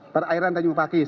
perairan tanjung pakis